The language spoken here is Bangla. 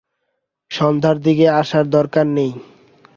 সন্ধ্যার দিকে আসার দরকার নেই।